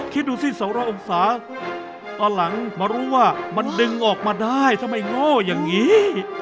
คิดดูสิ๒๐๐องศาตอนหลังมารู้ว่ามันดึงออกมาได้ทำไมโง่อย่างนี้